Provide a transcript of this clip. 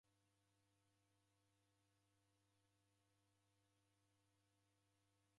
Wana wadasunga wandu mdedo